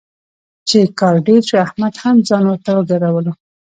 چې کار ډېر شو، احمد هم ځان ورته وګرولو.